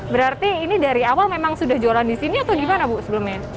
berarti ini dari awal memang sudah jualan di sini atau gimana bu sebelumnya